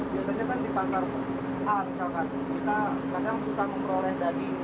biasanya kan di pasar a misalkan kita kadang susah memperoleh daging